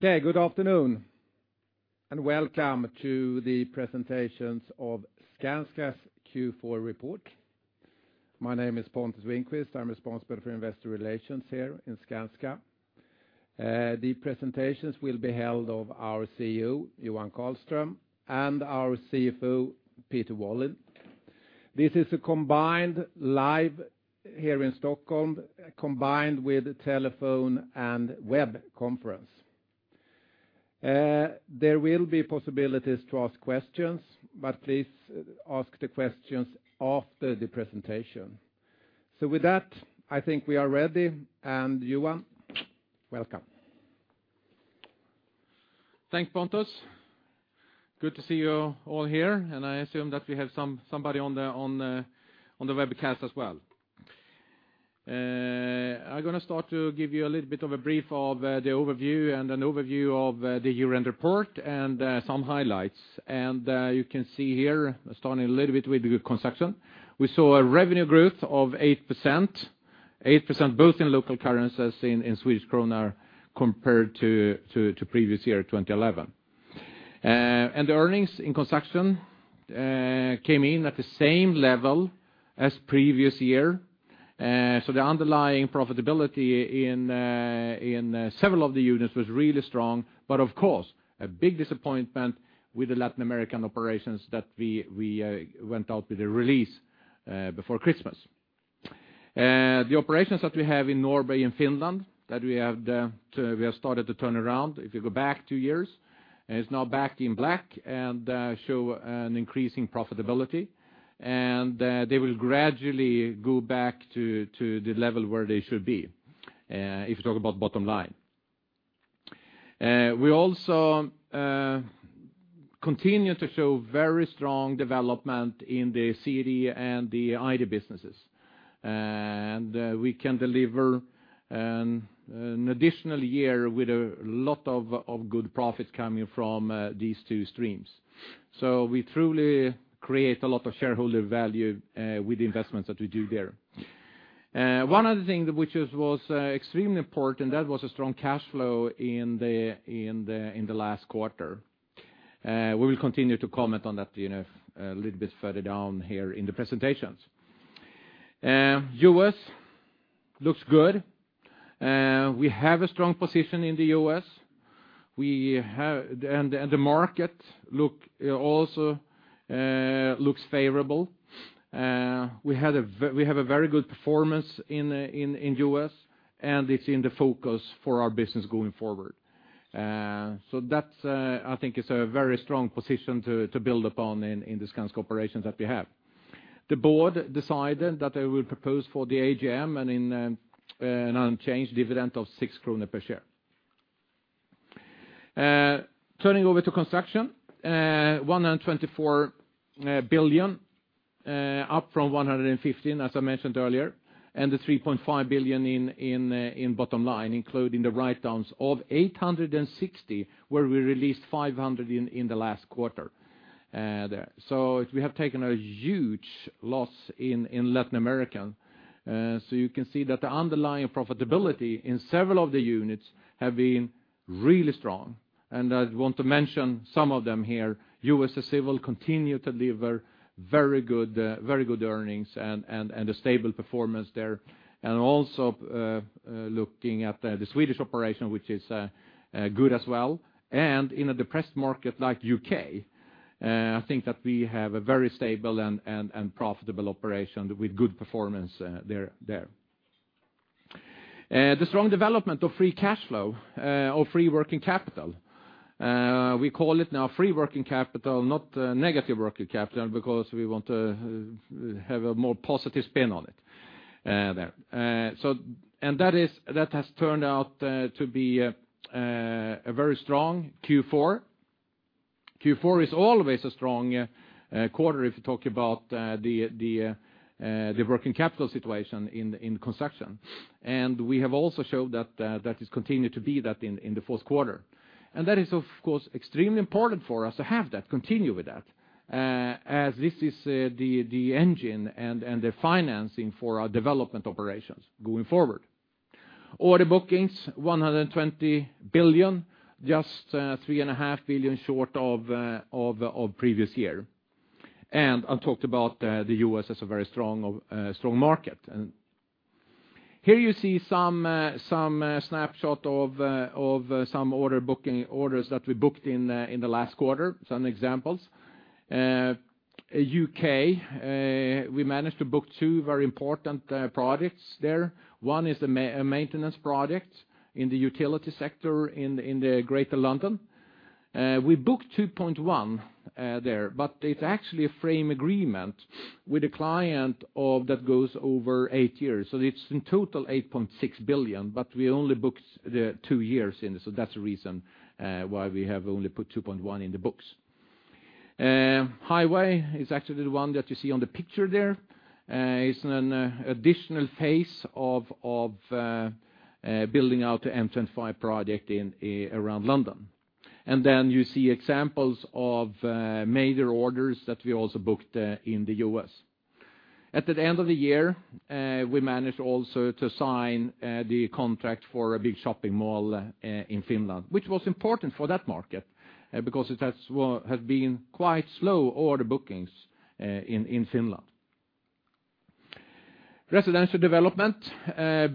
Okay, good afternoon, and welcome to the presentations of Skanska's Q4 report. My name is Pontus Winqvist. I'm responsible for investor relations here in Skanska. The presentations will be held of our CEO, Johan Karlström, and our CFO, Peter Wallin. This is a combined live here in Stockholm, combined with telephone and web conference. There will be possibilities to ask questions, but please ask the questions after the presentation. So with that, I think we are ready, and Johan, welcome. Thanks, Pontus. Good to see you all here, and I assume that we have somebody on the webcast as well. I'm gonna start to give you a little bit of a brief of the overview, and an overview of the year-end report, and some highlights. You can see here, starting a little bit with the construction. We saw a revenue growth of 8%, 8% both in local currencies, in Swedish krona, compared to previous year, 2011. The earnings in construction came in at the same level as previous year. So the underlying profitability in several of the units was really strong, but of course, a big disappointment with the Latin American operations that we went out with a release before Christmas. The operations that we have in Norway and Finland, that we have, we have started to turn around. If you go back two years, it's now back in black, and show an increasing profitability, and they will gradually go back to the level where they should be, if you talk about bottom line. We also continue to show very strong development in the city and the ID businesses. And we can deliver an additional year with a lot of good profit coming from these two streams. So we truly create a lot of shareholder value with the investments that we do there. One of the things which is- was extremely important, that was a strong cash flow in the last quarter. We will continue to comment on that, you know, a little bit further down here in the presentations. US looks good. We have a strong position in the US. The market looks favorable. We have a very good performance in US, and it's in the focus for our business going forward. So that's, I think, a very strong position to build upon in the Skanska operations that we have. The board decided that they will propose for the AGM an unchanged dividend of 6 kronor per share. Turning over to construction, 124 billion, up from 115 billion, as I mentioned earlier, and the 3.5 billion in bottom line, including the write-downs of 860 million, where we released 500 million in the last quarter, there. So we have taken a huge loss in Latin America. So you can see that the underlying profitability in several of the units have been really strong, and I want to mention some of them here. U.S. Civil continue to deliver very good earnings and a stable performance there. And also, looking at the Swedish operation, which is good as well. And in a depressed market like U.K., I think that we have a very stable and profitable operation with good performance, there. The strong development of free cash flow, or free working capital, we call it now free working capital, not negative working capital, because we want to have a more positive spin on it, there. So, and that is, that has turned out to be a very strong Q4. Q4 is always a strong quarter if you talk about the working capital situation in construction. And we have also showed that that has continued to be that in the fourth quarter. And that is, of course, extremely important for us to have that, continue with that, as this is the engine and the financing for our development operations going forward. Order bookings, 120 billion, just 3.5 billion short of previous year. I've talked about the U.S. as a very strong market. Here you see some snapshot of some order booking, orders that we booked in the last quarter, some examples. U.K., we managed to book two very important projects there. One is a maintenance project in the utility sector in Greater London. We booked 2.1 billion there, but it's actually a frame agreement with a client that goes over eight years. So it's in total 8.6 billion, but we only booked the two years in, so that's the reason why we have only put 2.1 in the books. Highway is actually the one that you see on the picture there. It's an additional phase of building out the M25 project in around London. And then you see examples of major orders that we also booked in the U.S. At the end of the year, we managed also to sign the contract for a big shopping mall in Finland, which was important for that market because it has been quite slow order bookings in Finland. Residential development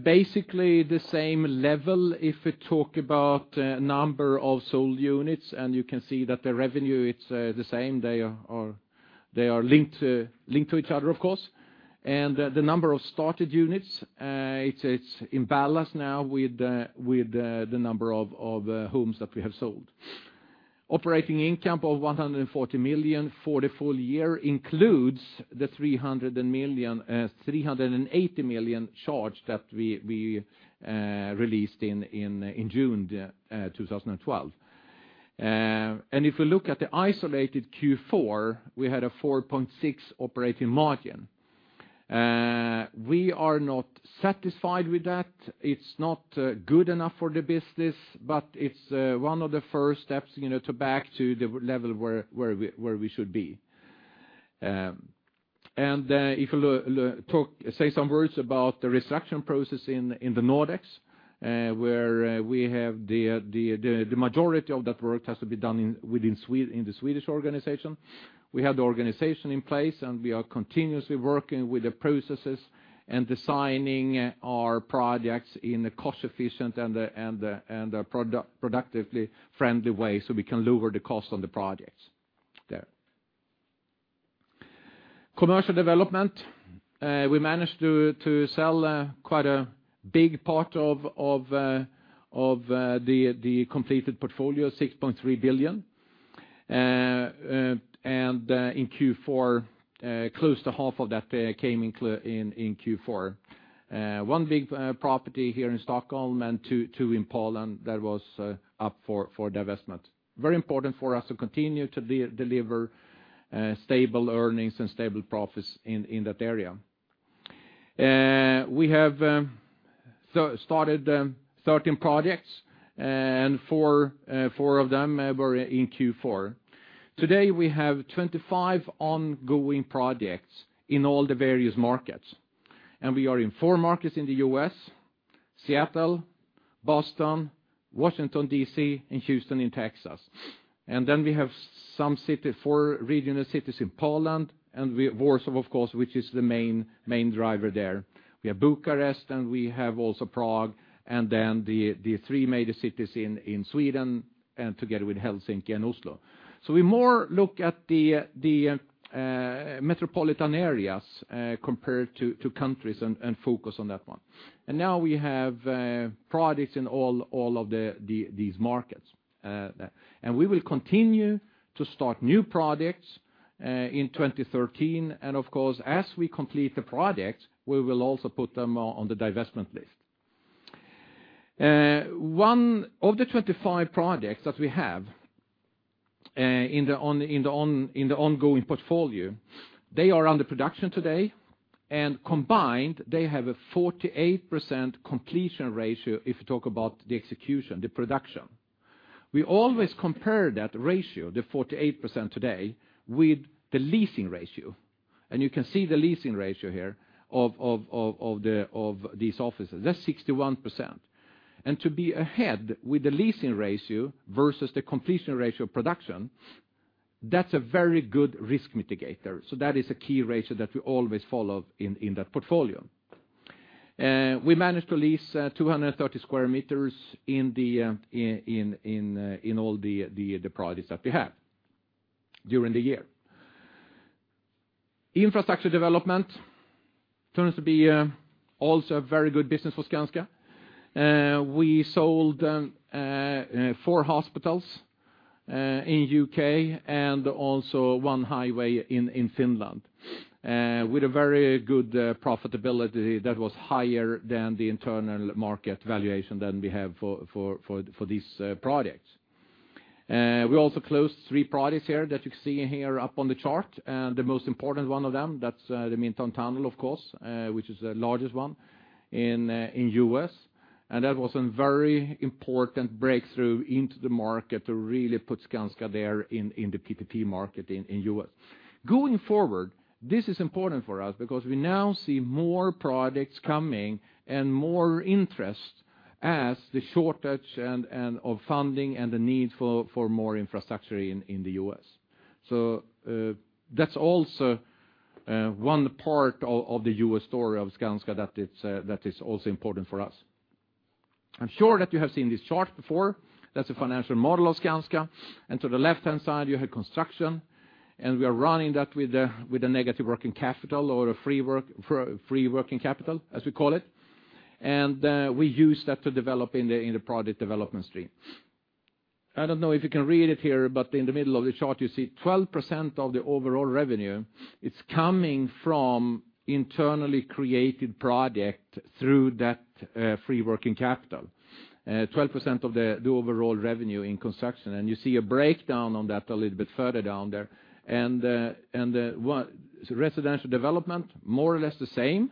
basically the same level if we talk about number of sold units, and you can see that the revenue, it's the same. They are linked to each other, of course. And the number of started units, it's in balance now with the number of homes that we have sold. Operating income of 140 million for the full year includes the 380 million charge that we released in June 2012. And if we look at the isolated Q4, we had a 4.6% operating margin. We are not satisfied with that. It's not good enough for the business, but it's one of the first steps, you know, to back to the level where we should be. And if you talk... Say some words about the restructuring process in the Nordics, where we have the majority of that work has to be done within the Swedish organization. We have the organization in place, and we are continuously working with the processes and designing our projects in a cost efficient and productively friendly way, so we can lower the cost on the projects there. Commercial development, we managed to sell quite a big part of the completed portfolio, 6.3 billion. And in Q4, close to half of that came in in Q4. One big property here in Stockholm and two in Poland that was up for divestment. Very important for us to continue to deliver stable earnings and stable profits in that area. We have started 13 projects, and four of them were in Q4. Today, we have 25 ongoing projects in all the various markets, and we are in 4 markets in the U.S.: Seattle, Boston, Washington, D.C., and Houston in Texas. And then we have some city, 4 regional cities in Poland, and Warsaw, of course, which is the main, main driver there. We have Bucharest, and we have also Prague, and then the 3 major cities in Sweden, and together with Helsinki and Oslo. So we more look at the metropolitan areas compared to countries and focus on that one. And now we have projects in all of these markets. And we will continue to start new projects in 2013, and of course, as we complete the projects, we will also put them on the divestment list. One of the 25 projects that we have in the ongoing portfolio, they are under production today, and combined, they have a 48% completion ratio if you talk about the execution, the production. We always compare that ratio, the 48% today, with the leasing ratio, and you can see the leasing ratio here of these offices. That's 61%. To be ahead with the leasing ratio versus the completion ratio of production, that's a very good risk mitigator. That is a key ratio that we always follow in that portfolio. We managed to lease 230 square meters in all the projects that we have during the year. Infrastructure development turns to be also a very good business for Skanska. We sold four hospitals in U.K. and also one highway in Finland with a very good profitability that was higher than the internal market valuation than we have for these projects. We also closed three projects here that you can see in here up on the chart, and the most important one of them, that's the Midtown Tunnel, of course, which is the largest one in U.S. And that was a very important breakthrough into the market to really put Skanska there in the P3 market in U.S. Going forward, this is important for us because we now see more projects coming and more interest as the shortage and of funding and the need for more infrastructure in U.S. So, that's also one part of the U.S. story of Skanska that is also important for us. I'm sure that you have seen this chart before. That's a financial model of Skanska, and to the left-hand side, you have construction, and we are running that with a negative working capital or a free working capital, as we call it. And, we use that to develop in the project development stream. I don't know if you can read it here, but in the middle of the chart, you see 12% of the overall revenue; it's coming from internally created project through that free working capital. 12% of the overall revenue in construction, and you see a breakdown on that a little bit further down there. And what residential development, more or less the same?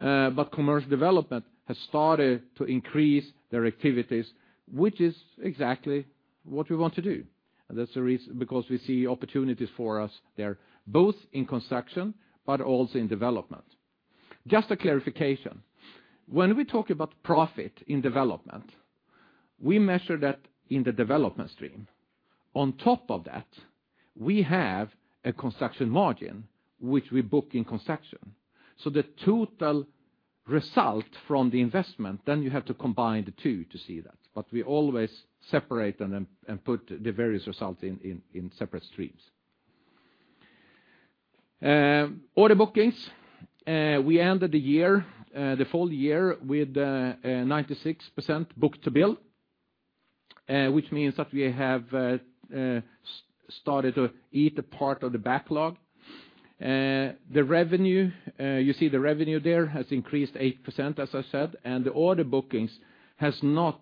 But commercial development has started to increase their activities, which is exactly what we want to do. And that's the reason, because we see opportunities for us there, both in construction, but also in development. Just a clarification, when we talk about profit in development, we measure that in the development stream. On top of that, we have a construction margin, which we book in construction. So the total result from the investment, then you have to combine the two to see that. But we always separate them and put the various results in separate streams. Order bookings, we ended the year, the full year with 96% book-to-bill, which means that we have started to eat a part of the backlog. The revenue, you see the revenue there has increased 8%, as I said, and the order bookings has not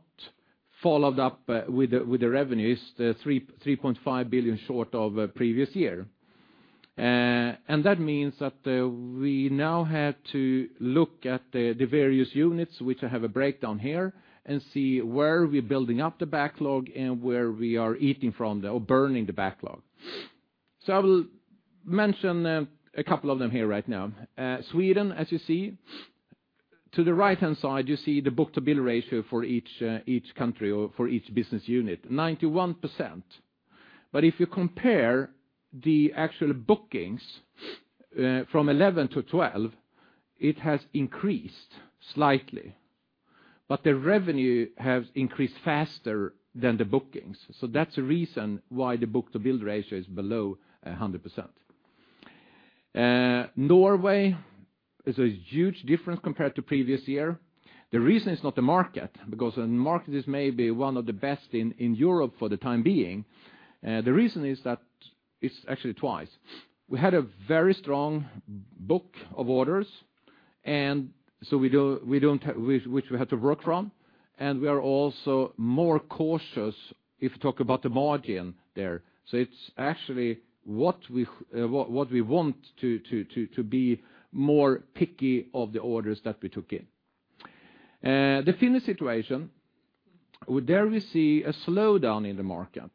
followed up, with the, with the revenues, 3.5 billion short of previous year. And that means that, we now have to look at the various units, which I have a breakdown here, and see where we're building up the backlog and where we are eating from or burning the backlog. So I will mention a couple of them here right now. Sweden, as you see, to the right-hand side, you see the book-to-bill ratio for each country or for each business unit, 91%. But if you compare the actual bookings from 2011 to 2012, it has increased slightly, but the revenue has increased faster than the bookings. So that's the reason why the book-to-bill ratio is below 100%. Norway is a huge difference compared to previous year. The reason is not the market, because the market is maybe one of the best in Europe for the time being. The reason is that it's actually twice. We had a very strong book of orders, and so we don't have which we had to work from, and we are also more cautious if you talk about the margin there. So it's actually what we want to be more picky of the orders that we took in. The Finnish situation, there we see a slowdown in the market.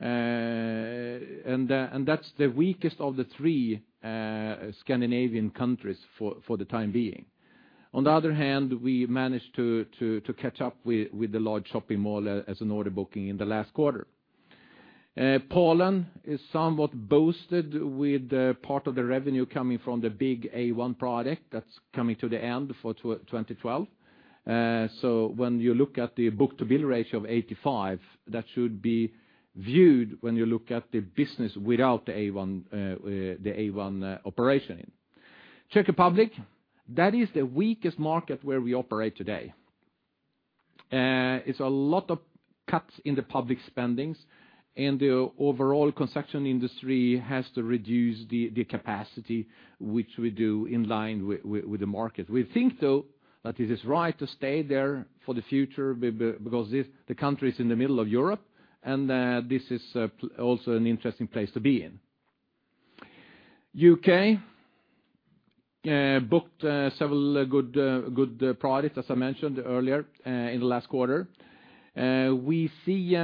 And that's the weakest of the three Scandinavian countries for the time being. On the other hand, we managed to catch up with the large shopping mall as an order booking in the last quarter. Poland is somewhat boosted with part of the revenue coming from the big A1 project that's coming to the end for 2012. So when you look at the book-to-bill ratio of 85, that should be viewed when you look at the business without the A1, the A1 operation in. Czech Republic, that is the weakest market where we operate today. It's a lot of cuts in the public spendings, and the overall construction industry has to reduce the capacity, which we do in line with the market. We think, though, that it is right to stay there for the future because this, the country is in the middle of Europe, and, this is also an interesting place to be in. UK booked several good projects, as I mentioned earlier, in the last quarter. We see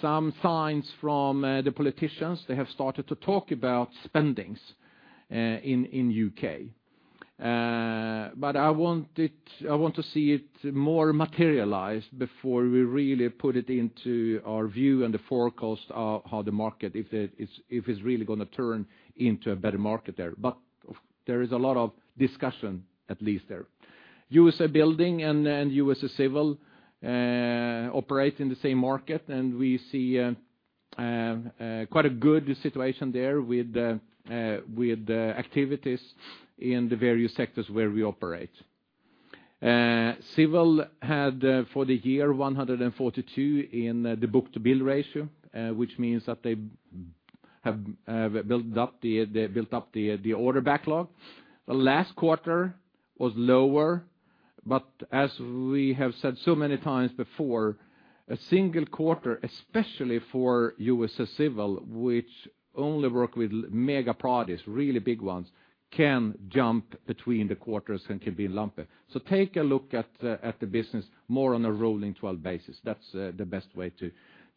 some signs from the politicians. They have started to talk about spending in UK. But I want to see it more materialized before we really put it into our view and the forecast of how the market, if it's really going to turn into a better market there. But there is a lot of discussion, at least there. USA Building and USA Civil operate in the same market, and we see quite a good situation there with activities in the various sectors where we operate. Civil had for the year 142 in the book-to-bill ratio, which means that they have built up the order backlog. The last quarter was lower, but as we have said so many times before, a single quarter, especially for USA Civil, which only work with mega projects, really big ones, can jump between the quarters and can be lumpy. So take a look at the business more on a rolling 12 basis. That's the best way to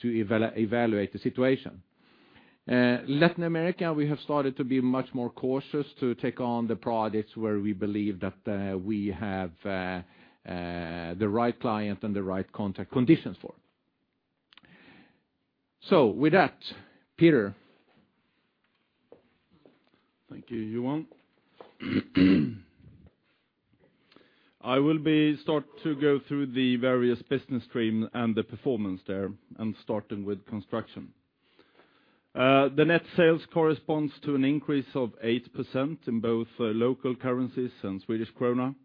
evaluate the situation. Latin America, we have started to be much more cautious to take on the projects where we believe that we have the right client and the right contract conditions for. So with that, Peter? Thank you, Johan. I will be start to go through the various business stream and the performance there, and starting with construction. The net sales corresponds to an increase of 8% in both, local currencies and Swedish krona,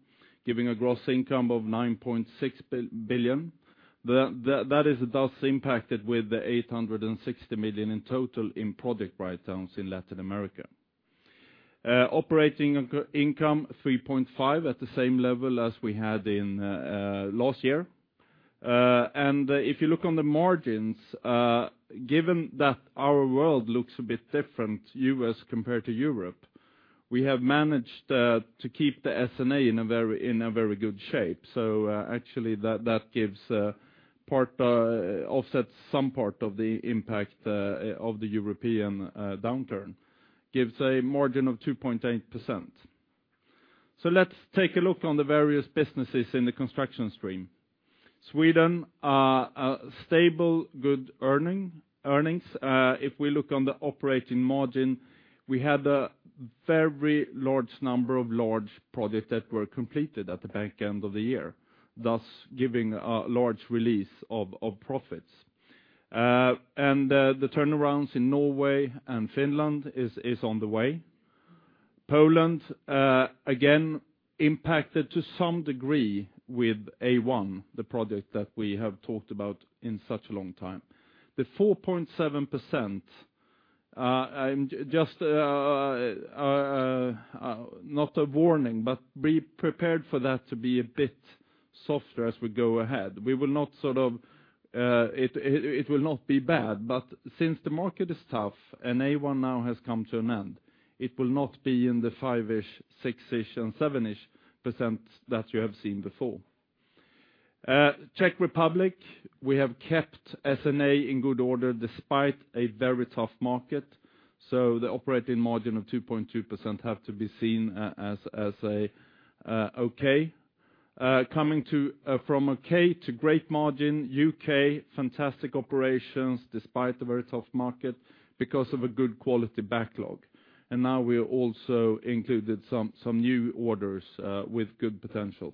giving a gross income of 9.6 billion. The, that is, thus impacted with the 860 million in total in product write-downs in Latin America. Operating income, 3.5 billion, at the same level as we had in last year. And if you look on the margins, given that our world looks a bit different, U.S. compared to Europe, we have managed to keep the S&A in a very, in a very good shape. So, actually, that, that gives, part, offsets some part of the impact, of the European, downturn, gives a margin of 2.8%. So let's take a look on the various businesses in the construction stream. Sweden, a stable, good earning, earnings. If we look on the operating margin, we had a very large number of large projects that were completed at the back end of the year, thus giving a large release of profits. And the turnarounds in Norway and Finland is on the way. Poland, again, impacted to some degree with A1, the project that we have talked about in such a long time. The 4.7%, and just not a warning, but be prepared for that to be a bit softer as we go ahead. We will not sort of, it will not be bad, but since the market is tough, and A1 now has come to an end, it will not be in the 5%-6%-7% that you have seen before. Czech Republic, we have kept S&A in good order despite a very tough market, so the operating margin of 2.2% has to be seen as, as a, okay. Coming to, from okay to great margin, U.K., fantastic operations, despite the very tough market, because of a good quality backlog. Now we are also included some new orders with good potential.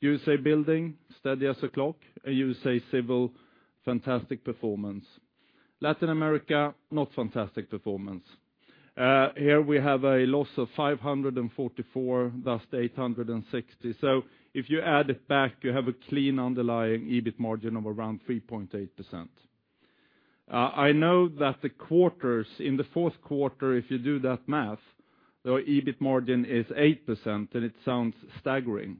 USA Building, steady as a clock, and USA Civil, fantastic performance. Latin America, not fantastic performance. Here we have a loss of 544 million, thus 860 million. So if you add it back, you have a clean underlying EBIT margin of around 3.8%. I know that the quarters, in the fourth quarter, if you do that math, the EBIT margin is 8%, and it sounds staggering.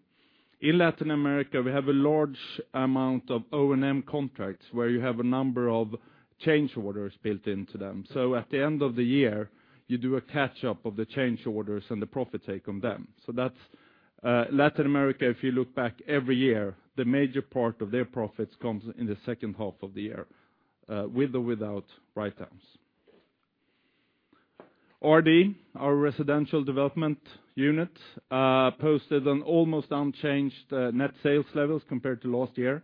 In Latin America, we have a large amount of O&M contracts, where you have a number of change orders built into them. So at the end of the year, you do a catch-up of the change orders and the profit take on them. So that's Latin America, if you look back every year, the major part of their profits comes in the second half of the year, with or without write-downs. RD, our residential development unit, posted an almost unchanged net sales levels compared to last year.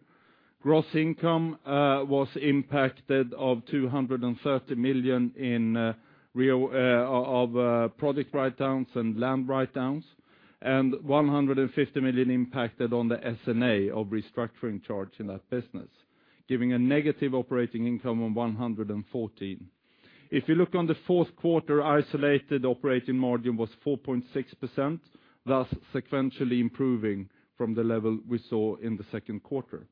Gross income was impacted of 230 million in re-- of project write-downs and land write-downs, and 150 million impacted on the S&A of restructuring charge in that business, giving a negative operating income of 114 million. If you look on the fourth quarter, isolated operating margin was 4.6%, thus sequentially improving from the level we saw in the second quarter.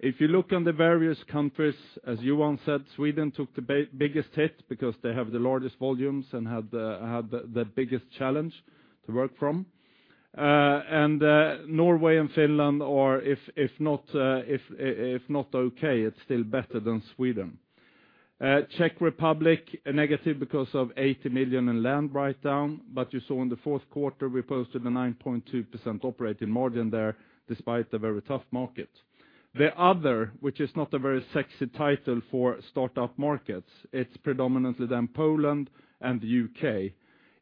If you look on the various countries, as Johan said, Sweden took the biggest hit, because they have the largest volumes and had the, had the, the biggest challenge to work from. Norway and Finland are, if not, if not okay, it's still better than Sweden. Czech Republic, negative because of 80 million in land write-down, but you saw in the fourth quarter, we posted a 9.2% operating margin there, despite the very tough market. The other, which is not a very sexy title for start-up markets, it's predominantly then Poland and the UK.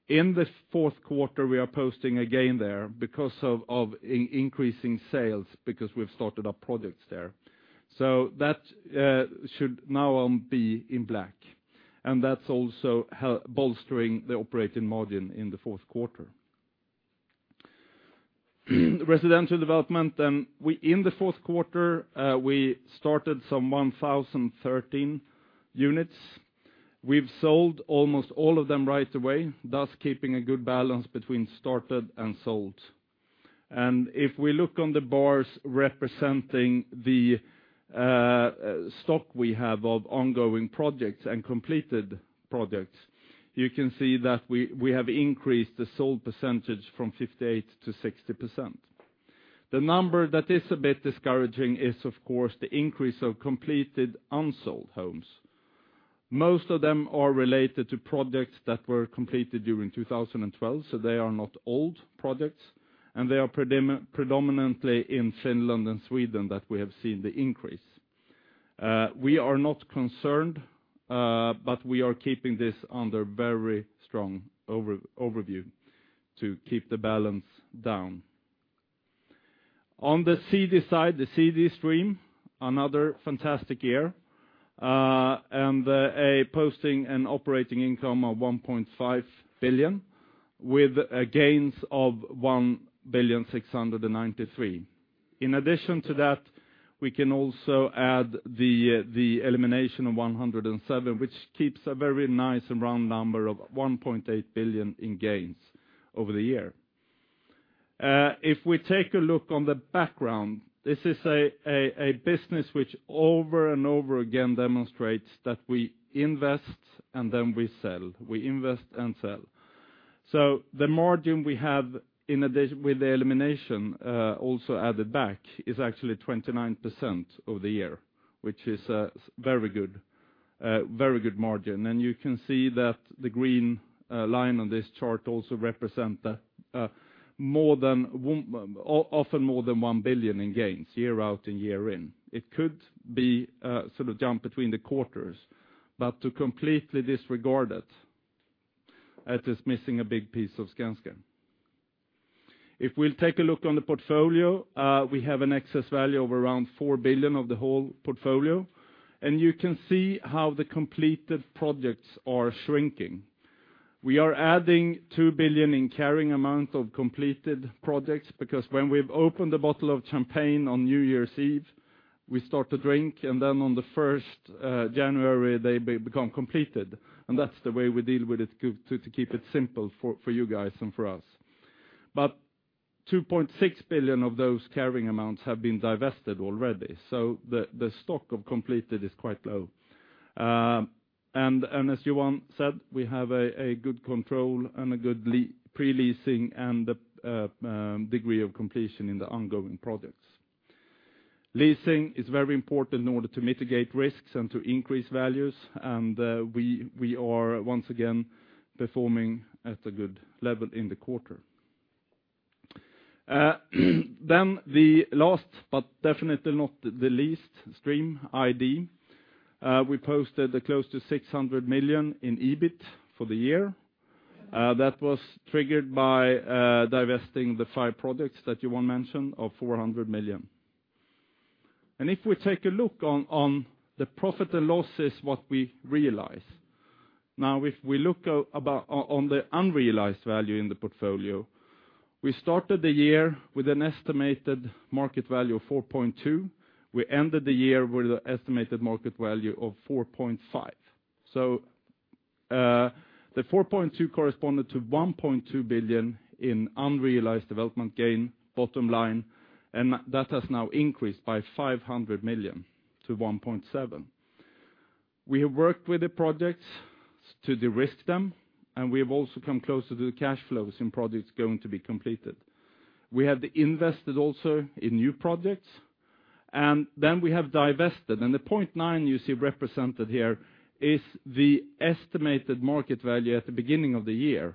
In this fourth quarter, we are posting a gain there because of increasing sales, because we've started our projects there. So that should now on be in black, and that's also bolstering the operating margin in the fourth quarter. Residential development, then, in the fourth quarter, we started some 1,013 units. We've sold almost all of them right away, thus keeping a good balance between started and sold. If we look on the bars representing the stock we have of ongoing projects and completed projects, you can see that we have increased the sold percentage from 58%-60%. The number that is a bit discouraging is, of course, the increase of completed unsold homes. Most of them are related to projects that were completed during 2012, so they are not old projects, and they are predominantly in Finland and Sweden, that we have seen the increase. We are not concerned, but we are keeping this under very strong overview to keep the balance down. On the CD side, the CD stream, another fantastic year, and a posting an operating income of 1.5 billion, with gains of 1.693 billion. In addition to that, we can also add the elimination of 107, which keeps a very nice and round number of 1.8 billion in gains over the year. If we take a look on the background, this is a business which over and over again demonstrates that we invest and then we sell. We invest and sell. The margin we have in addition with the elimination, also added back, is actually 29% over the year, which is a very good, very good margin. You can see that the green line on this chart also represent the, more than one, often more than 1 billion in gains, year out and year in. It could be sort of jump between the quarters, but to completely disregard it, that is missing a big piece of Skanska. If we'll take a look on the portfolio, we have an excess value of around 4 billion of the whole portfolio, and you can see how the completed projects are shrinking. We are adding 2 billion in carrying amount of completed projects, because when we've opened a bottle of champagne on New Year's Eve, we start to drink, and then on the first January, they become completed. And that's the way we deal with it to keep it simple for you guys and for us. But 2.6 billion of those carrying amounts have been divested already, so the stock of completed is quite low. As Johan said, we have a good control and a good pre-leasing and the degree of completion in the ongoing projects. Leasing is very important in order to mitigate risks and to increase values, and we are once again performing at a good level in the quarter. Then the last, but definitely not the least, Infrastructure Development. We posted close to 600 million in EBIT for the year. That was triggered by divesting the five products that Johan mentioned of 400 million. And if we take a look on the profit and losses, what we realize. Now, if we look about the unrealized value in the portfolio, we started the year with an estimated market value of 4.2. We ended the year with an estimated market value of 4.5 billion. So, the 4.2 corresponded to 1.2 billion in unrealized development gain, bottom line, and that has now increased by 500 million to 1.7 billion. We have worked with the projects to de-risk them, and we have also come closer to the cash flows in projects going to be completed. We have invested also in new projects, and then we have divested. The 0.9 you see represented here is the estimated market value at the beginning of the year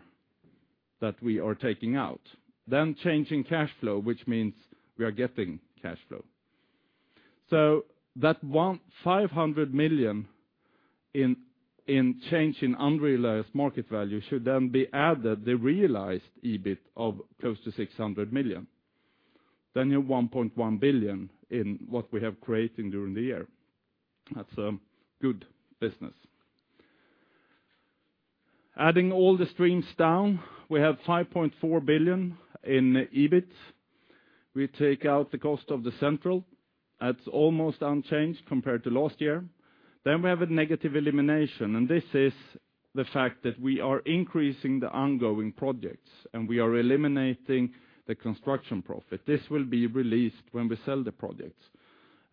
that we are taking out. Change in cash flow, which means we are getting cash flow. So that one, 500 million in change in unrealized market value should then be added, the realized EBIT of close to 600 million. Then your 1.1 billion in what we have created during the year. That's a good business. Adding all the streams down, we have 5.4 billion in EBIT. We take out the cost of the central. That's almost unchanged compared to last year. Then we have a negative elimination, and this is the fact that we are increasing the ongoing projects, and we are eliminating the construction profit. This will be released when we sell the projects.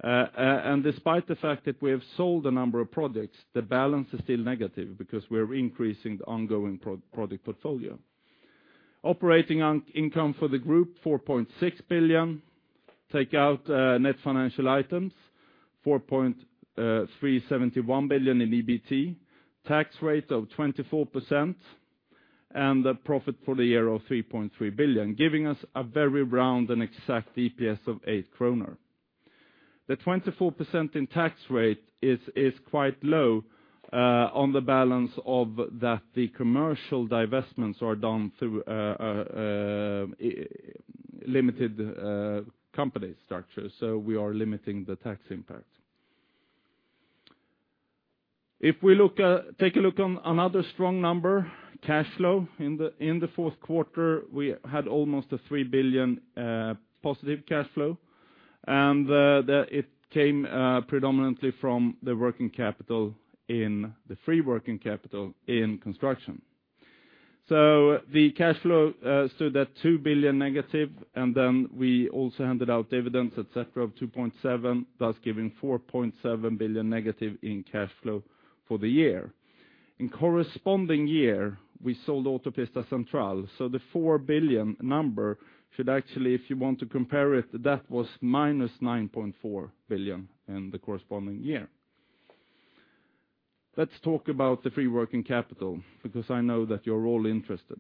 And despite the fact that we have sold a number of projects, the balance is still negative because we're increasing the ongoing project portfolio. Operating income for the group, 4.6 billion. Take out net financial items, 4.371 billion in EBT, tax rate of 24%, and a profit for the year of 3.3 billion, giving us a very round and exact EPS of 8 kronor. The 24% tax rate is quite low, on the balance of that the commercial divestments are done through a limited company structure, so we are limiting the tax impact. If we look, take a look on another strong number, cash flow. In the fourth quarter, we had almost a 3 billion positive cash flow, and it came predominantly from the working capital in the free working capital in construction. The cash flow stood at negative 2 billion, and then we also handed out dividends, et cetera, of 2.7 billion, thus giving -4.7 billion in cash flow for the year. In the corresponding year, we sold Autopista Central, so the 4 billion number should actually, if you want to compare it, that was -9.4 billion in the corresponding year. Let's talk about the free working capital, because I know that you're all interested.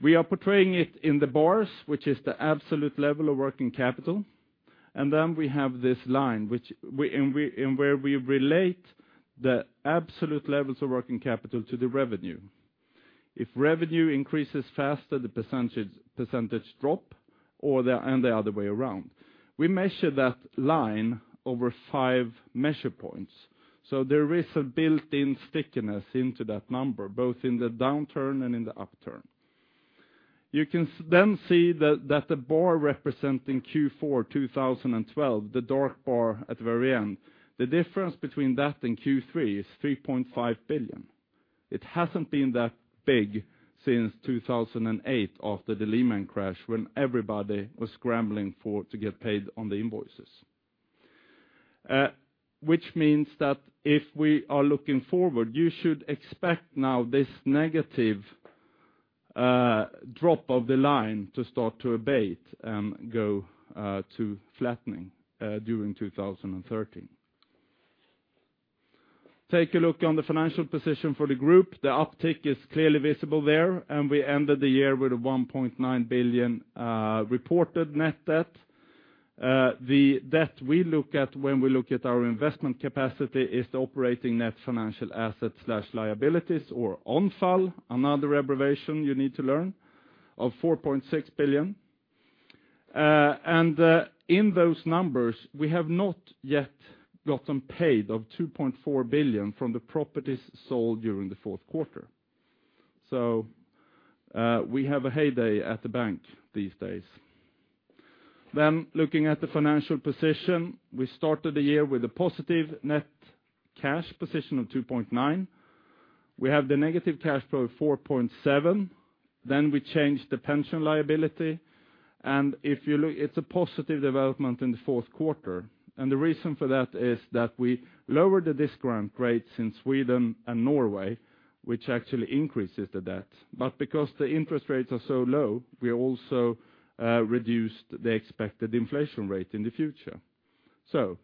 We are portraying it in the bars, which is the absolute level of working capital, and then we have this line, which we relate the absolute levels of working capital to the revenue. If revenue increases faster, the percentage drop, or the other way around. We measure that line over five measure points, so there is a built-in stickiness into that number, both in the downturn and in the upturn. You can then see that, that the bar representing Q4 2012, the dark bar at the very end, the difference between that and Q3 is 3.5 billion. It hasn't been that big since 2008, after the Lehman crash, when everybody was scrambling for to get paid on the invoices, which means that if we are looking forward, you should expect now this negative drop of the line to start to abate and go to flattening during 2013. Take a look on the financial position for the group. The uptick is clearly visible there, and we ended the year with a 1.9 billion reported net debt. The debt we look at when we look at our investment capacity is the operating net financial assets/liabilities, or ONFL, another abbreviation you need to learn, of 4.6 billion. And, in those numbers, we have not yet gotten paid of 2.4 billion from the properties sold during the fourth quarter. So, we have a heyday at the bank these days. Then looking at the financial position, we started the year with a positive net cash position of 2.9 billion. We have the negative cash flow of 4.7 billion, then we changed the pension liability, and if you look, it's a positive development in the fourth quarter. And the reason for that is that we lowered the discount rates in Sweden and Norway, which actually increases the debt. But because the interest rates are so low, we also reduced the expected inflation rate in the future. So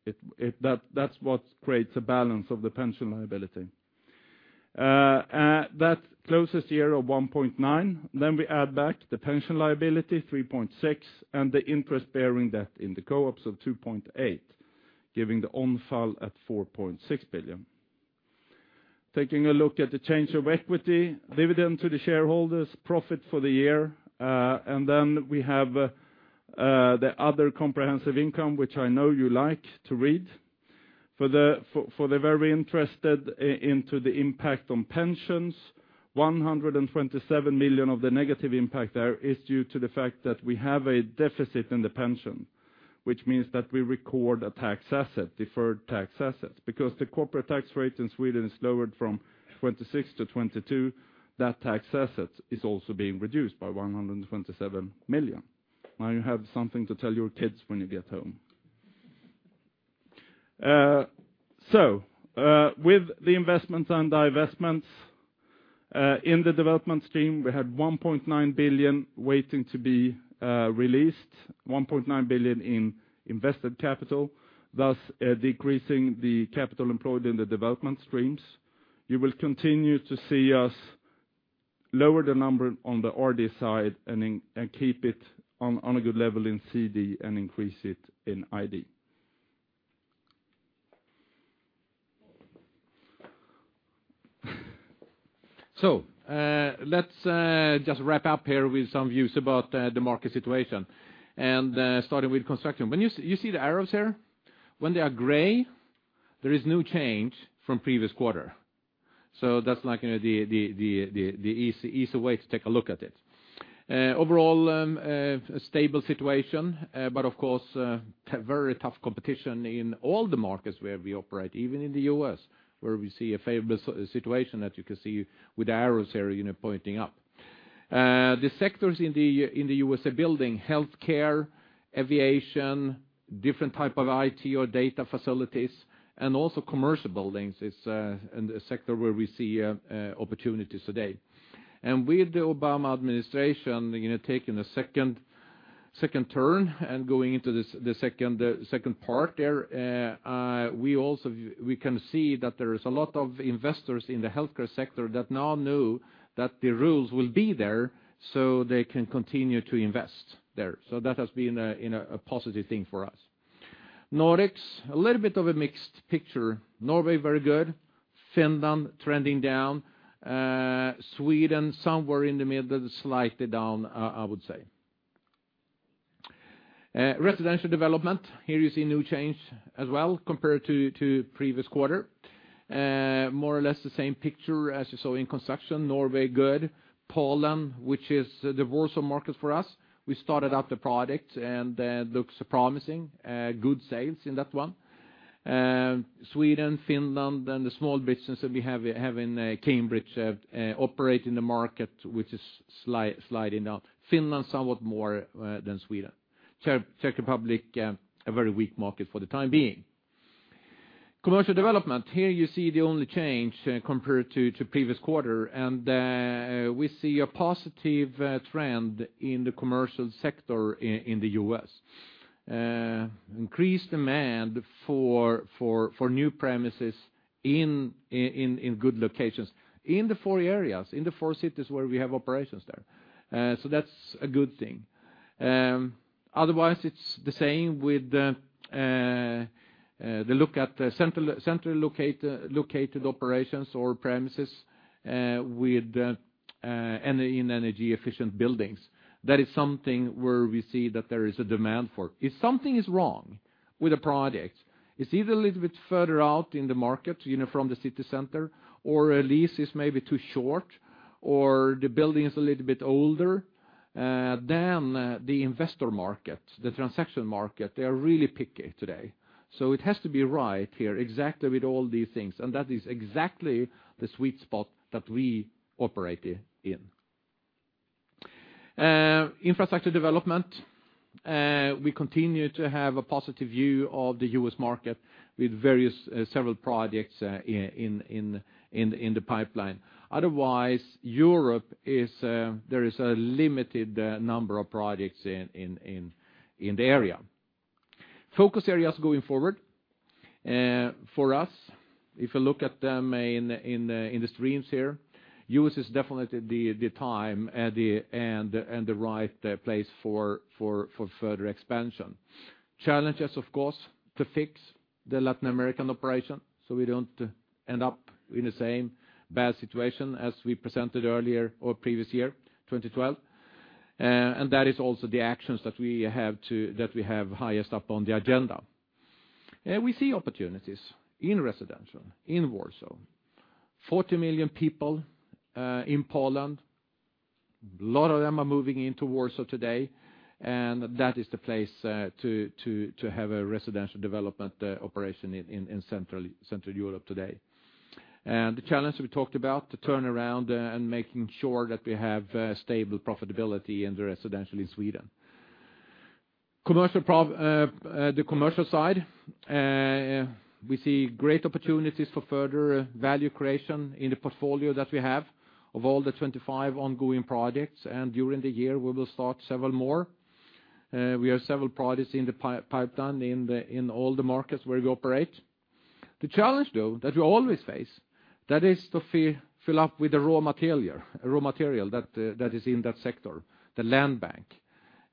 that's what creates a balance of the pension liability. That closes the year at 1.9 billion, then we add back the pension liability, 3.6 billion, and the interest-bearing debt in the co-ops of 2.8 billion, giving the ONFL at 4.6 billion. Taking a look at the change of equity, dividend to the shareholders, profit for the year, and then we have the other comprehensive income, which I know you like to read. For the very interested in the impact on pensions, 127 million of the negative impact there is due to the fact that we have a deficit in the pension, which means that we record a tax asset, deferred tax asset. Because the corporate tax rate in Sweden is lowered from 26% to 22%, that tax asset is also being reduced by 127 million. Now you have something to tell your kids when you get home. So, with the investments and divestments, in the development stream, we had 1.9 billion waiting to be released, 1.9 billion in invested capital, thus, decreasing the capital employed in the development streams. You will continue to see us lower the number on the RD side and keep it on a good level in CD and increase it in ID. So, let's just wrap up here with some views about the market situation, and starting with construction. When you see the arrows here? When they are gray, there is no change from previous quarter. So that's like, you know, the easy way to take a look at it. Overall, a stable situation, but of course, very tough competition in all the markets where we operate, even in the U.S., where we see a favorable situation, as you can see with the arrows here, you know, pointing up. The sectors in the U.S. are building, healthcare, aviation, different type of IT or data facilities, and also commercial buildings is in the sector where we see opportunities today. And with the Obama administration, you know, taking a second turn and going into the second part there, we also can see that there is a lot of investors in the healthcare sector that now know that the rules will be there, so they can continue to invest there. So that has been a, you know, a positive thing for us. Nordics, a little bit of a mixed picture. Norway, very good. Finland, trending down. Sweden, somewhere in the middle, slightly down, I would say. Residential development, here you see no change as well compared to previous quarter. More or less the same picture as you saw in construction. Norway, good. Poland, which is the Warsaw market for us, we started up the product, and looks promising. Good sales in that one. Sweden, Finland, and the small business that we have in Cambridge operate in the market, which is sliding down. Finland, somewhat more than Sweden. Czech Republic, a very weak market for the time being. Commercial development, here you see the only change compared to previous quarter, and we see a positive trend in the commercial sector in the U.S. Increased demand for new premises in good locations in the four areas in the four cities where we have operations there. So that's a good thing. Otherwise, it's the same with the look at central located operations or premises with in energy-efficient buildings. That is something where we see that there is a demand for. If something is wrong with a project, it's either a little bit further out in the market, you know, from the city center, or a lease is maybe too short, or the building is a little bit older, then the investor market, the transaction market, they are really picky today. So it has to be right here, exactly with all these things, and that is exactly the sweet spot that we operate in.... Infrastructure development, we continue to have a positive view of the U.S. market with various, several projects in the pipeline. Otherwise, Europe, there is a limited number of projects in the area. Focus areas going forward, for us, if you look at them in the streams here, U.S. is definitely the time and the right place for further expansion. Challenges, of course, to fix the Latin America operation, so we don't end up in the same bad situation as we presented earlier or previous year, 2012. And that is also the actions that we have highest up on the agenda. And we see opportunities in residential, in Warsaw. 40 million people in Poland, a lot of them are moving into Warsaw today, and that is the place to have a residential development operation in Central Europe today. The challenge we talked about, the turnaround and making sure that we have stable profitability in the residential in Sweden. The commercial side, we see great opportunities for further value creation in the portfolio that we have of all the 25 ongoing projects, and during the year, we will start several more. We have several projects in the pipeline in all the markets where we operate. The challenge, though, that we always face, that is to fill up with the raw material, raw material that is in that sector, the land bank.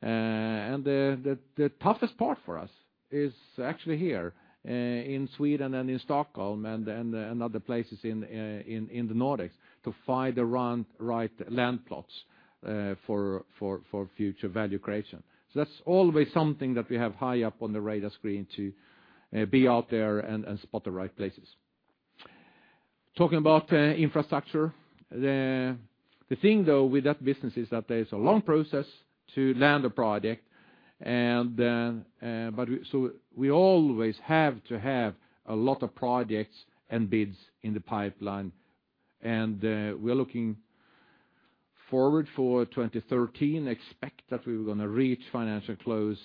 And the toughest part for us is actually here in Sweden and in Stockholm and other places in the Nordics to find the right land plots for future value creation. So that's always something that we have high up on the radar screen to be out there and spot the right places. Talking about infrastructure, the thing, though, with that business is that there's a long process to land a project, and but we always have to have a lot of projects and bids in the pipeline. And we're looking forward for 2013, expect that we're gonna reach financial close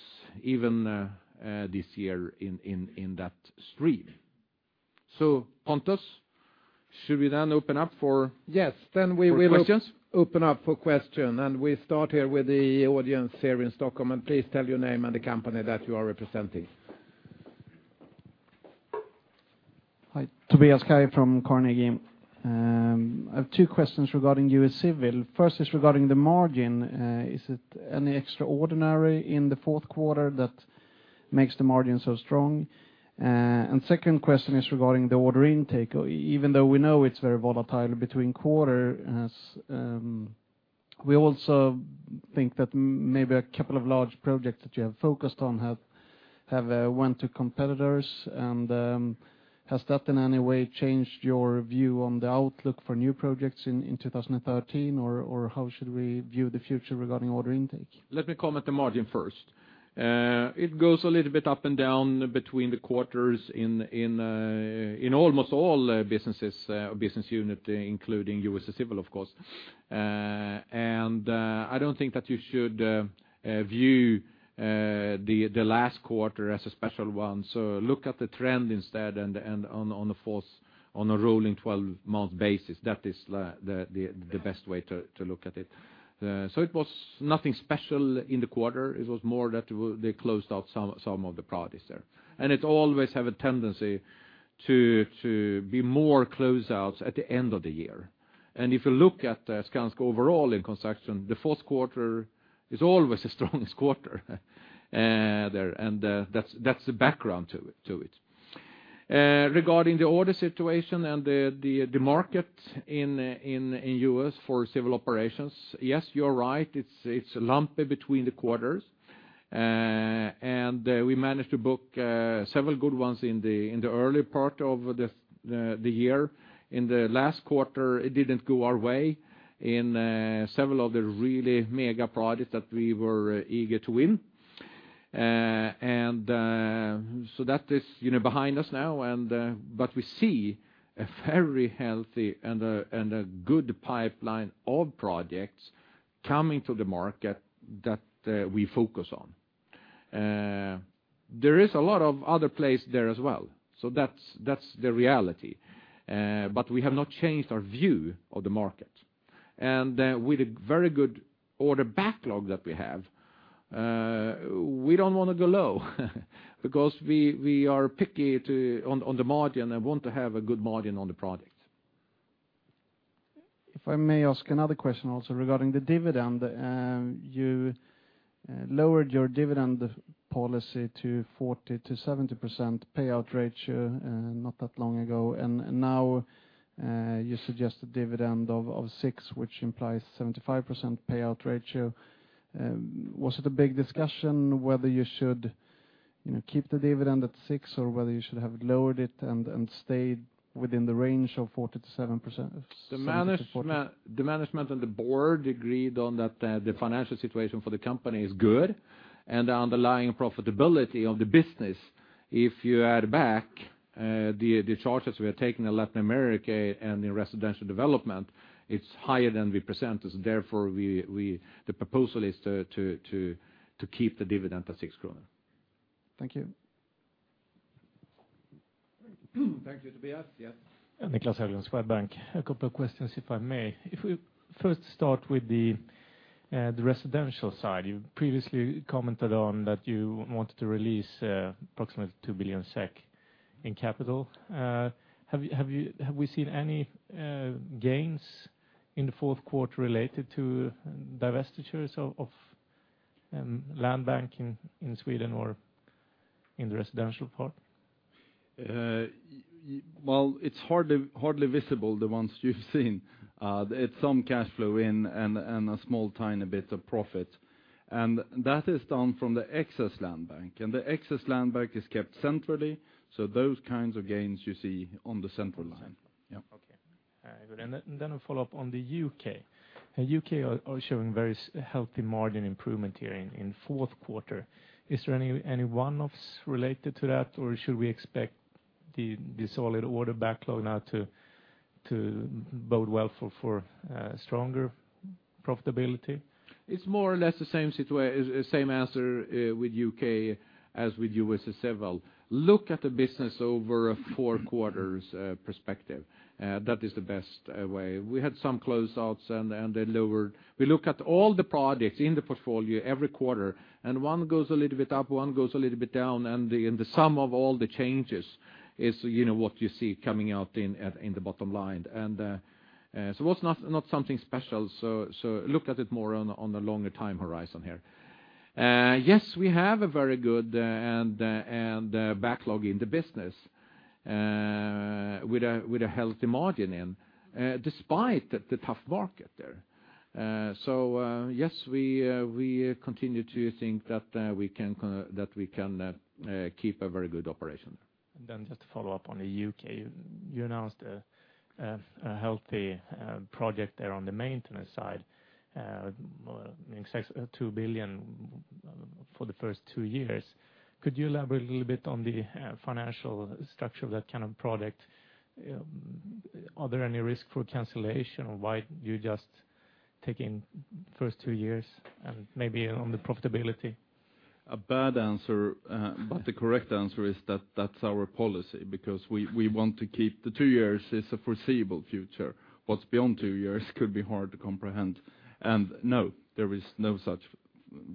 even this year in that stream. So Pontus, should we then open up for- Yes, then we will- For questions? Open up for questions, and we start here with the audience here in Stockholm, and please tell your name and the company that you are representing. Hi, Tobias Kai from Carnegie. I have two questions regarding US Civil. First is regarding the margin. Is it any extraordinary in the fourth quarter that makes the margin so strong? Second question is regarding the order intake. Even though we know it's very volatile between quarters, we also think that maybe a couple of large projects that you have focused on have went to competitors, and has that in any way changed your view on the outlook for new projects in 2013? Or how should we view the future regarding order intake? Let me comment the margin first. It goes a little bit up and down between the quarters in almost all businesses, business unit, including US Civil, of course. And I don't think that you should view the last quarter as a special one, so look at the trend instead, and on a rolling 12-month basis, that is the best way to look at it. So it was nothing special in the quarter. It was more that they closed out some of the projects there. And it always have a tendency to be more closeouts at the end of the year. If you look at Skanska overall in construction, the fourth quarter is always the strongest quarter there, and that's the background to it. Regarding the order situation and the market in the U.S. for civil operations, yes, you're right, it's lumpy between the quarters. And we managed to book several good ones in the early part of the year. In the last quarter, it didn't go our way in several of the really mega projects that we were eager to win. So that is, you know, behind us now, but we see a very healthy and a good pipeline of projects coming to the market that we focus on. There is a lot of other plays there as well, so that's the reality. But we have not changed our view of the market. And with the very good order backlog that we have, we don't wanna go low, because we, we are picky to, on, on the margin and want to have a good margin on the project. If I may ask another question also regarding the dividend. You lowered your dividend policy to 40%-70% payout ratio, not that long ago, and now, you suggest a dividend of 6, which implies 75% payout ratio. Was it a big discussion whether you should, you know, keep the dividend at 6, or whether you should have lowered it and stayed within the range of 40%-70%? The management and the board agreed on that, the financial situation for the company is good, and the underlying profitability of the business, if you add back the charges we are taking in Latin America and in residential development, it's higher than we presented, therefore, the proposal is to keep the dividend at 6 kronor.... Thank you. Thank you, Tobias. Yes? Niklas Hägerås, Swedbank. A couple of questions, if I may. If we first start with the residential side, you previously commented on that you wanted to release approximately 2 billion SEK in capital. Have we seen any gains in the fourth quarter related to divestitures of land banking in Sweden or in the residential part? Well, it's hardly, hardly visible, the ones you've seen. It's some cash flow in and a small, tiny bit of profit. And that is down from the excess land bank, and the excess land bank is kept centrally, so those kinds of gains you see on the central line. Yeah. Okay. Good. And then a follow-up on the U.K. U.K. are showing very healthy margin improvement here in fourth quarter. Is there any one-offs related to that, or should we expect the solid order backlog now to bode well for stronger profitability? It's more or less the same situation, same answer, with UK as with USA Civil. Look at the business over a four-quarter perspective. That is the best way. We had some closeouts and then lowered... We look at all the projects in the portfolio every quarter, and one goes a little bit up, one goes a little bit down, and the sum of all the changes is, you know, what you see coming out in the bottom line. So what's not something special, so look at it more on a longer time horizon here. Yes, we have a very good backlog in the business with a healthy margin despite the tough market there. So, yes, we continue to think that we can keep a very good operation. Then just to follow up on the U.K., you announced a healthy project there on the maintenance side, making 2 billion for the first 2 years. Could you elaborate a little bit on the financial structure of that kind of project? Are there any risk for cancellation, or why you just taking first 2 years, and maybe on the profitability? A bad answer, but the correct answer is that that's our policy, because we want to keep... The two years is a foreseeable future. What's beyond two years could be hard to comprehend. And no, there is no such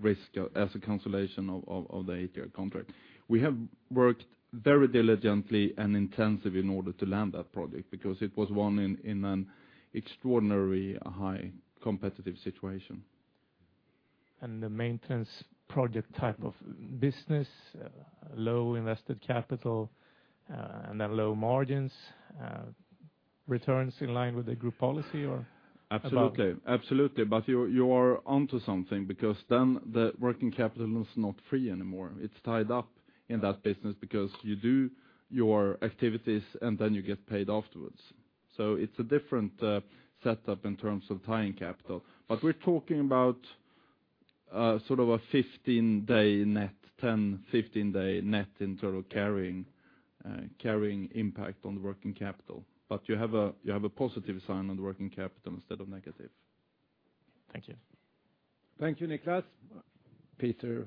risk as a cancellation of the eight-year contract. We have worked very diligently and intensive in order to land that project, because it was won in an extraordinarily high, competitive situation. The maintenance project type of business, low invested capital, and then low margins, returns in line with the group policy, or about? Absolutely. Absolutely, but you're, you are onto something, because then the working capital is not free anymore. It's tied up in that business, because you do your activities, and then you get paid afterwards. So it's a different setup in terms of tying capital. But we're talking about sort of a 15-day net, 10-15-day net in total carrying impact on the working capital. But you have a, you have a positive sign on the working capital instead of negative. Thank you. Thank you, Niklas. Peter?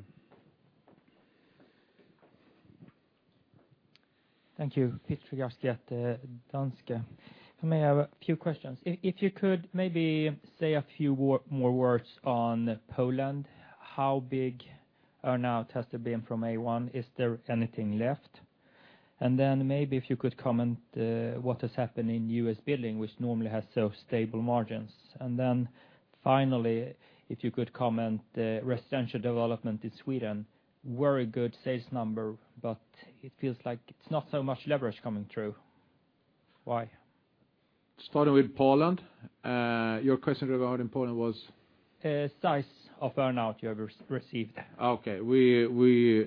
Thank you. Peter Garnry at Danske. I may have a few questions. If you could maybe say a few more words on Poland, how big earn-out has there been from A1? Is there anything left? And then maybe if you could comment what has happened in U.S. building, which normally has so stable margins. And then finally, if you could comment residential development in Sweden. Very good sales number, but it feels like it's not so much leverage coming through. Why? Starting with Poland, your question regarding Poland was? Size of earn-out you have received? Okay.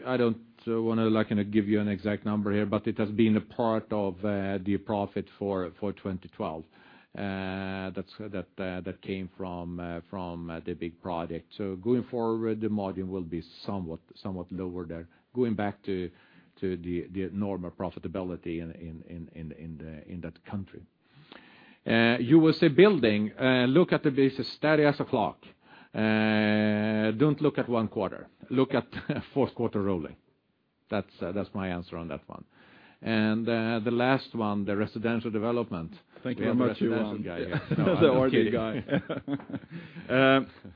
I don't wanna, like, give you an exact number here, but it has been a part of the profit for 2012. That's that came from the big project. So going forward, the margin will be somewhat lower there, going back to the normal profitability in that country. USA Building, look at the business, steady as a clock. Don't look at one quarter, look at fourth quarter rolling. That's my answer on that one. And the last one, the residential development- Thank you very much, Johan.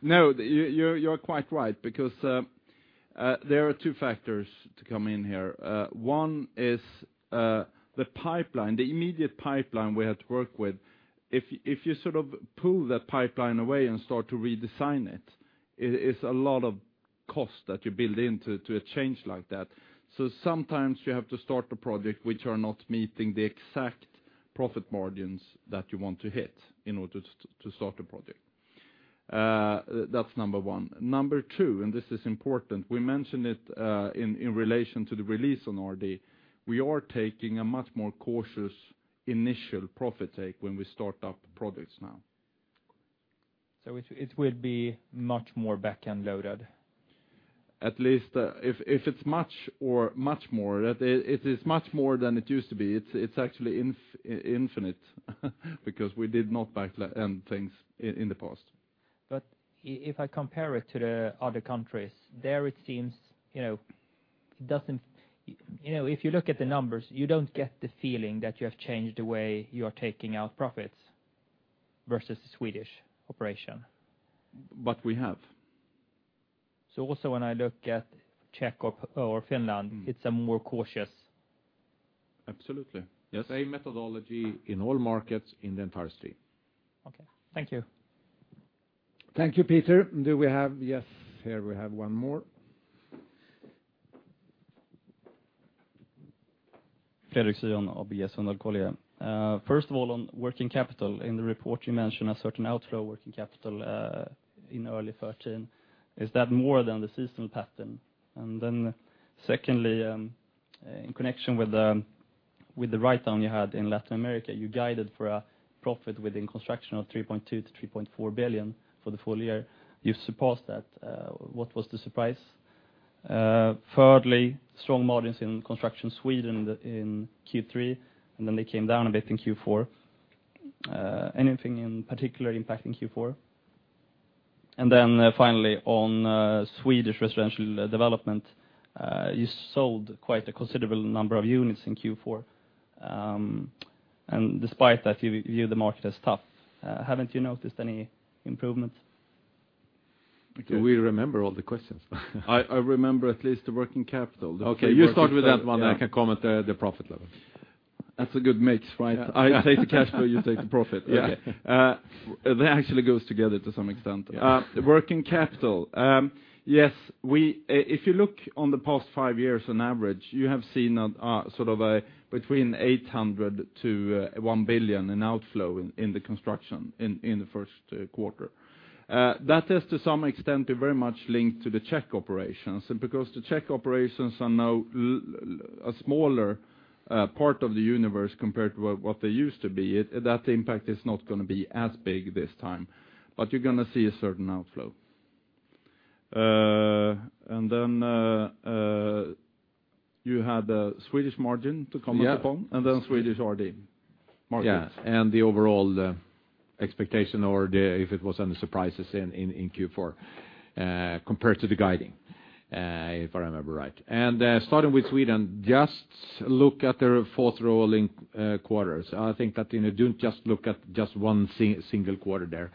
No, you're quite right, because there are two factors to come in here. One is the pipeline, the immediate pipeline we had to work with. If you sort of pull that pipeline away and start to redesign it, it's a lot of cost that you build into a change like that. So sometimes you have to start a project which are not meeting the exact profit margins that you want to hit in order to start a project. That's number one. Number two, and this is important, we mentioned it in relation to the release on RD, we are taking a much more cautious initial profit take when we start up projects now. So it will be much more back-end loaded? At least, if it's much more, it is much more than it used to be. It's actually infinite, because we did not back-end things in the past. But if I compare it to the other countries, there it seems, you know, it doesn't, you know, if you look at the numbers, you don't get the feeling that you have changed the way you are taking out profits versus the Swedish operation. But we have. So also, when I look at Czech or Finland, it's a more cautious? Absolutely. Yes, same methodology in all markets in the entire stream. Okay. Thank you. Thank you, Peter. Do we have...? Yes, here we have one more. Fredrik Sjödin of SEB Enskilda. First of all, on working capital. In the report, you mentioned a certain outflow working capital in early 2013. Is that more than the seasonal pattern? And then, secondly, in connection with the write-down you had in Latin America, you guided for a profit within construction of 3.2 billion-3.4 billion for the full year. You surpassed that. What was the surprise? Thirdly, strong margins in Construction Sweden in Q3, and then they came down a bit in Q4. Anything in particular impacting Q4? And then, finally, on Swedish residential development, you sold quite a considerable number of units in Q4. And despite that, you view the market as tough. Haven't you noticed any improvements? Do we remember all the questions? I remember at least the working capital. Okay, you start with that one, and I can comment on the profit level. That's a good mix, right? I take the cash flow, you take the profit. Yeah. Okay. That actually goes together to some extent. The working capital, yes, if you look at the past 5 years, on average, you have seen a sort of a between 800 million to 1 billion in outflow in the construction in the first quarter. That is, to some extent, very much linked to the Czech operations, and because the Czech operations are now a smaller part of the universe compared to what they used to be, that impact is not going to be as big this time, but you're going to see a certain outflow. And then you had a Swedish margin to comment upon- Yeah. and then Swedish RD markets. Yeah, and the overall expectation or the, if it was any surprises in Q4 compared to the guiding, if I remember right. And starting with Sweden, just look at the four rolling quarters. I think that, you know, don't just look at just one single quarter there.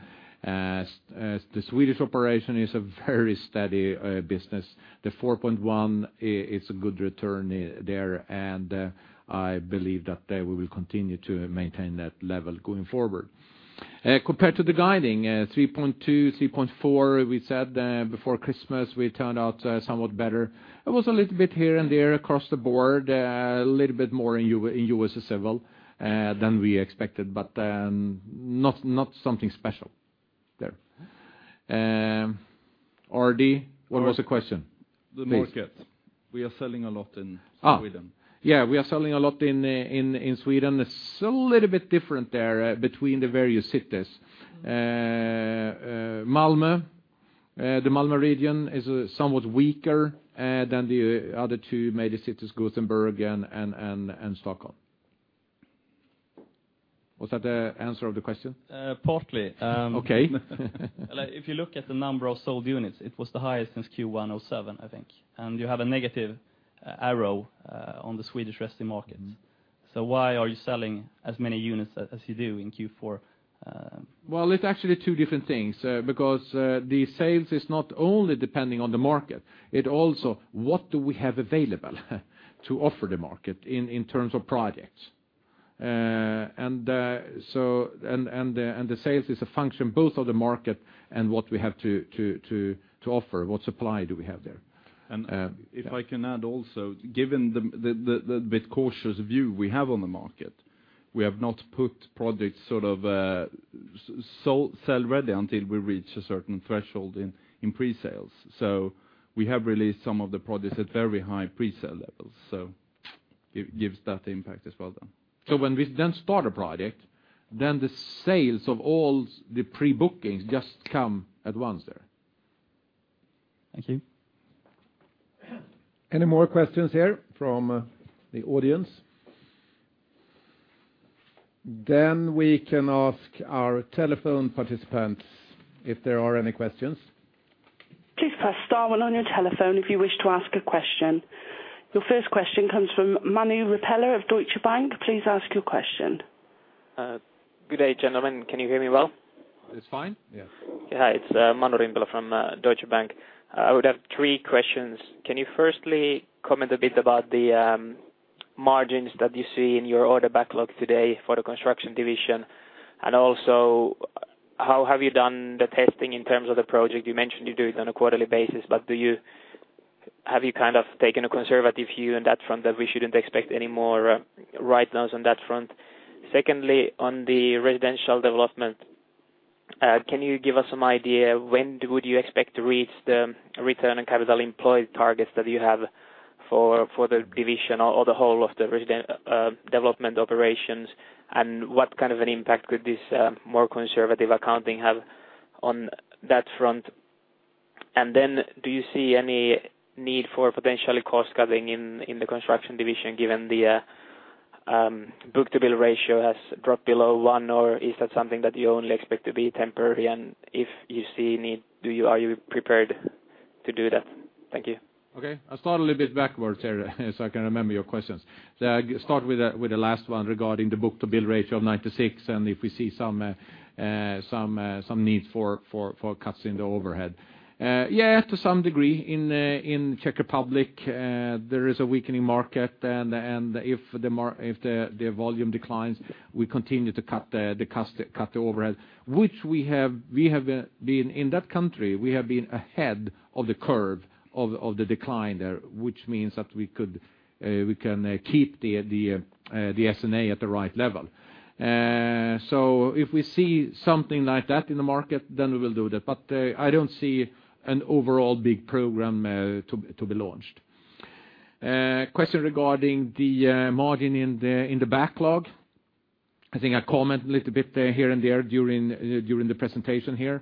As the Swedish operation is a very steady business, the 4.1 is a good return there, and I believe that they will continue to maintain that level going forward. Compared to the guiding 3.2, 3.4, we said before Christmas, we turned out somewhat better. It was a little bit here and there across the board, a little bit more in U.S. Civil than we expected, but not something special there. R.D., what was the question? The markets. We are selling a lot in Sweden. Yeah, we are selling a lot in Sweden. It's a little bit different there between the various cities. Malmö, the Malmö region is somewhat weaker than the other two major cities, Gothenburg and Stockholm. Was that the answer of the question? Partly. Okay. If you look at the number of sold units, it was the highest since Q1 of 7, I think, and you have a negative arrow on the Swedish resi markets. So why are you selling as many units as you do in Q4? Well, it's actually two different things, because the sales is not only depending on the market, it also, what do we have available to offer the market in terms of projects? And the sales is a function both of the market and what we have to offer, what supply do we have there? If I can add also, given a bit cautious view we have on the market, we have not put projects sort of sold sell-ready until we reach a certain threshold in pre-sales. So we have released some of the products at very high pre-sale levels, so it gives that impact as well then. When we then start a project, then the sales of all the pre-bookings just come at once there. Thank you. Any more questions here from the audience? Then we can ask our telephone participants if there are any questions. Please press star one on your telephone if you wish to ask a question. Your first question comes from Manu Rimpelä of Deutsche Bank. Please ask your question. Good day, gentlemen. Can you hear me well? It's fine. Yeah. Hi, it's Manu Rimpelä from Deutsche Bank. I would have three questions. Can you firstly comment a bit about the margins that you see in your order backlog today for the construction division? And also, how have you done the testing in terms of the project? You mentioned you do it on a quarterly basis, but have you kind of taken a conservative view on that front, that we shouldn't expect any more write-downs on that front? Secondly, on the residential development, can you give us some idea, when would you expect to reach the return on capital employed targets that you have for the division or the whole of the residential development operations? What kind of an impact could this more conservative accounting have on that front? And then do you see any need for potentially cost cutting in the construction division, given the book-to-bill ratio has dropped below one? Or is that something that you only expect to be temporary? And if you see a need, do you are you prepared to do that? Thank you. Okay, I'll start a little bit backwards here, so I can remember your questions. So I start with the last one regarding the book-to-bill ratio of 96, and if we see some need for cuts in the overhead. Yeah, to some degree, in Czech Republic, there is a weakening market. And if the volume declines, we continue to cut the cost, cut the overhead, which we have been in that country, we have been ahead of the curve of the decline there, which means that we can keep the S&A at the right level. So if we see something like that in the market, then we will do that. But, I don't see an overall big program to be launched. Question regarding the margin in the backlog, I think I comment a little bit there, here and there, during the presentation here.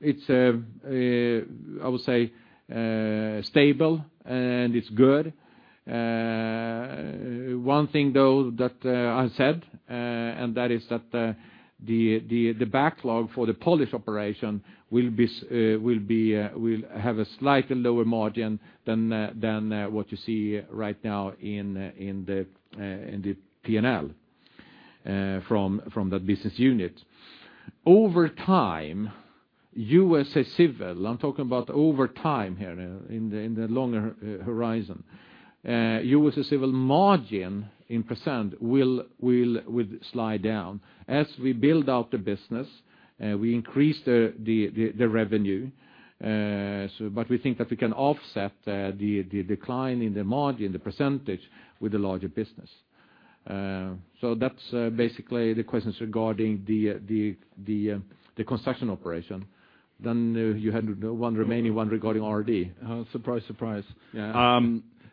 It's a, I would say, stable, and it's good. One thing, though, that I said, and that is that, the backlog for the Polish operation will have a slightly lower margin than what you see right now in the P&L from that business unit. Over time, USA Civil, I'm talking about over time here in the longer horizon. USA Civil margin in percent will slide down. As we build out the business, we increase the revenue. So but we think that we can offset the decline in the margin, the percentage, with the larger business. So that's basically the questions regarding the construction operation. Then you had one remaining one regarding RD. Surprise, surprise. Yeah.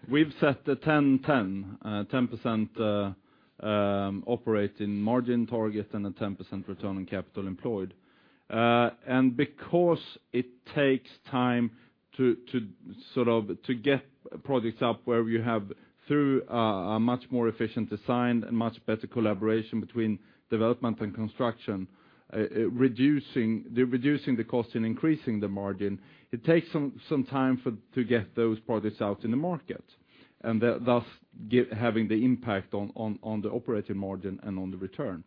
We've set the 10% operating margin target and a 10% return on capital employed. And because it takes time to sort of get projects up where we have through a much more efficient design and much better collaboration between development and construction, reducing the cost and increasing the margin, it takes some time to get those products out in the market. And thus, having the impact on the operating margin and on the return.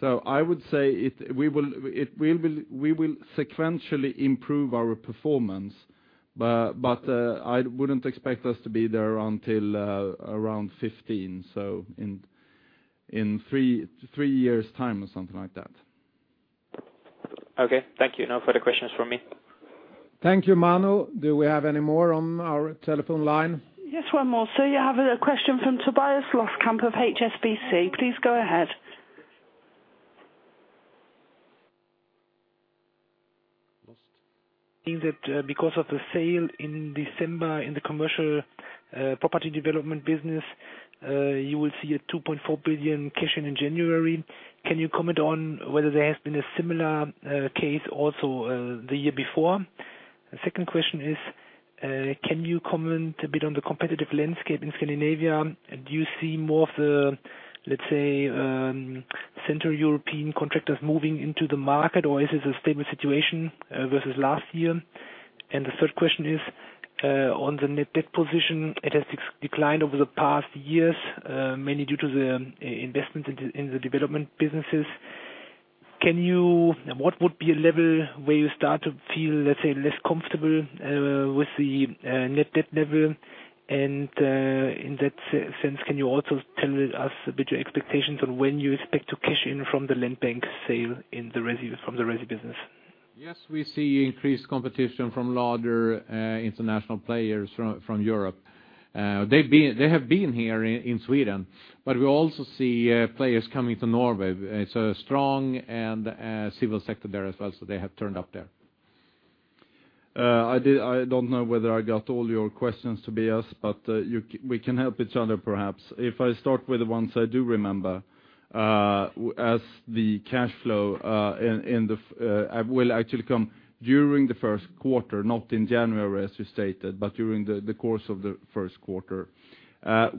So I would say we will sequentially improve our performance. But I wouldn't expect us to be there until around 15, so in three years' time or something like that. Okay. Thank you. No further questions from me. Thank you, Manu. Do we have any more on our telephone line? Yes, one more. So you have a question from Tobias Loskamp of HSBC. Please go ahead. Think that, because of the sale in December in the commercial property development business, you will see a 2.4 billion cash in in January. Can you comment on whether there has been a similar case also the year before? The second question is, can you comment a bit on the competitive landscape in Scandinavia, and do you see more of the, let's say, Central European contractors moving into the market, or is this a stable situation versus last year? And the third question is, on the net debt position, it has declined over the past years, mainly due to the investment in the development businesses. Can you... What would be a level where you start to feel, let's say, less comfortable with the net debt level? In that sense, can you also tell us a bit your expectations on when you expect to cash in from the land bank sale in the resi, from the resi business? Yes, we see increased competition from larger international players from Europe. They've been, they have been here in Sweden, but we also see players coming to Norway. It's a strong civil sector there as well, so they have turned up there. I don't know whether I got all your questions, Tobias, but we can help each other, perhaps. If I start with the ones I do remember, as the cash flow in the will actually come during the first quarter, not in January, as you stated, but during the course of the first quarter.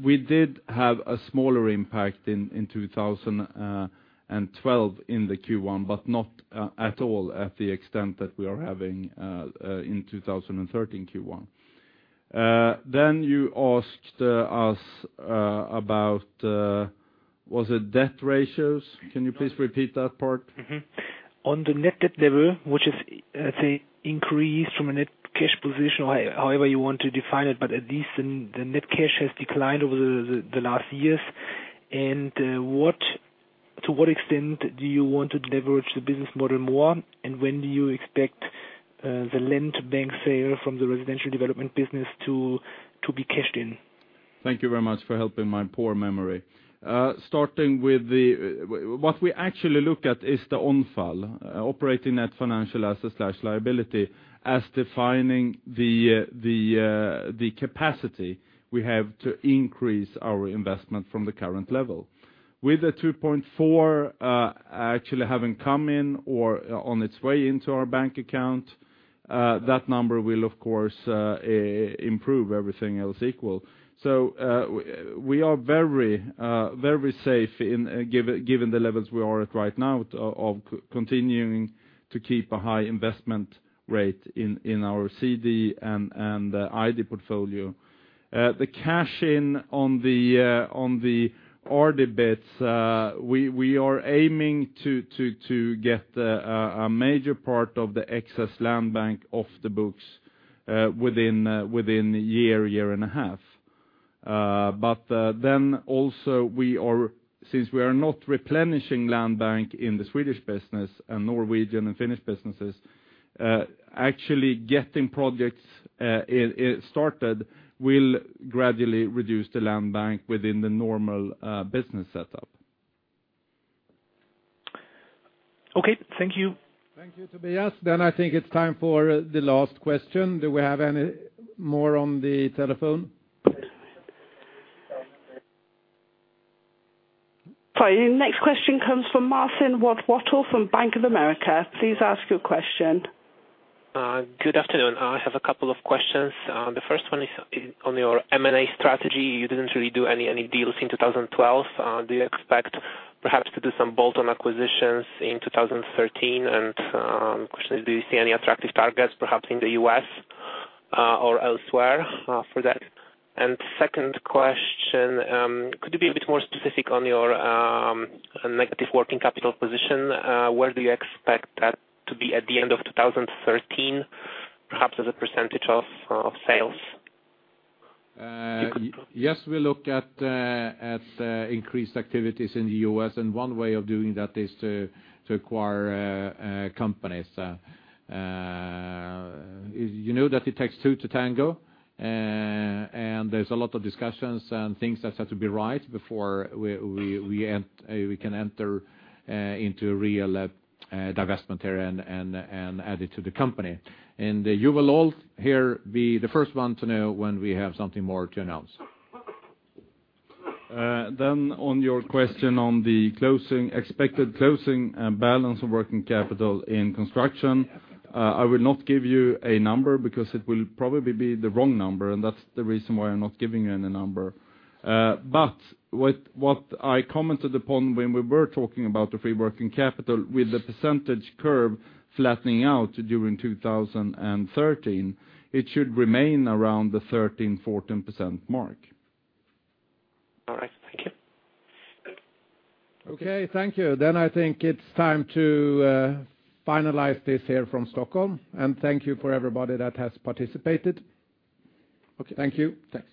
We did have a smaller impact in 2012, in the Q1, but not at all at the extent that we are having in 2013, Q1. Then you asked us about, was it debt ratios? Can you please repeat that part? Mm-hmm. On the net debt level, which is, let's say, increased from a net cash position, however you want to define it, but at least the net cash has declined over the last years. And what to what extent do you want to leverage the business model more? And when do you expect the land bank sale from the residential development business to be cashed in? Thank you very much for helping my poor memory. Starting with the, what we actually look at is the ONFL, operating net financial assets/liabilities, as defining the capacity we have to increase our investment from the current level. With the 2.4 actually having come in or on its way into our bank account, that number will, of course, improve everything else equal. So, we are very, very safe given the levels we are at right now, of continuing to keep a high investment rate in our CD and ID portfolio. The cashing in on the RD bits, we are aiming to get a major part of the excess land bank off the books within a year and a half. But then also, since we are not replenishing land bank in the Swedish business and Norwegian and Finnish businesses, actually getting projects started will gradually reduce the land bank within the normal business setup. Okay, thank you. Thank you, Tobias. I think it's time for the last question. Do we have any more on the telephone? Sorry, next question comes from Martin Wachtel from Bank of America. Please ask your question. Good afternoon. I have a couple of questions. The first one is on your M&A strategy. You didn't really do any, any deals in 2012. Do you expect, perhaps, to do some bolt-on acquisitions in 2013? And, do you see any attractive targets, perhaps in the U.S., or elsewhere, for that? And second question, could you be a bit more specific on your, negative working capital position? Where do you expect that to be at the end of 2013, perhaps as a percentage of, of sales? Yes, we look at increased activities in the U.S., and one way of doing that is to acquire companies. You know that it takes two to tango, and there's a lot of discussions and things that have to be right before we can enter into a real investment area and add it to the company. You will all here be the first one to know when we have something more to announce. Then on your question on the closing, expected closing and balance of working capital in construction, I will not give you a number because it will probably be the wrong number, and that's the reason why I'm not giving you any number. But what I commented upon when we were talking about the free working capital, with the percentage curve flattening out during 2013, it should remain around the 13%-14% mark. All right. Thank you. Okay, thank you. Then I think it's time to finalize this here from Stockholm, and thank you for everybody that has participated. Okay. Thank you. Thanks.